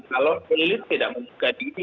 kalau elit tidak membuka diri